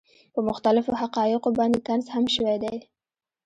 پۀ مختلفو حقائقو باندې طنز هم شوے دے،